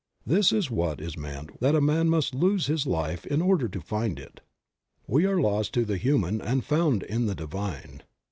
This is what is meant that a man must lose his life in order to find it. We are lost to the human and found in the divine.